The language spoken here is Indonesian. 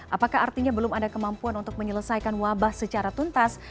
apakah artinya belum ada kemampuan untuk menyelesaikan wabah secara tuntas